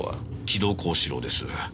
城戸幸四郎です。